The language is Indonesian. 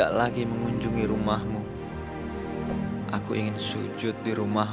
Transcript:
kalian berdua sudah tertangkap basah